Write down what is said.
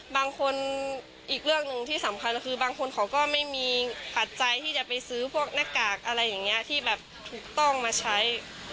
บางคนอีกเรื่องหนึ่งที่สำคัญคือบางคนเขาก็ไม่มีปัจจัยที่จะไปซื้อพวกหน้ากากอะไรอย่างนี้ที่แบบถูกต้องมาใช้